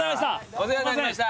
お世話になりました。